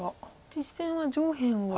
実戦は上辺を。